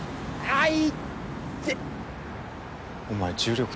はい！